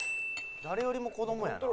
「誰よりも子どもやな」